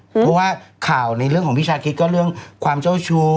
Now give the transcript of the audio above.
เพราะว่าข่าวในเรื่องของพี่ชาคิดก็เรื่องความเจ้าชู้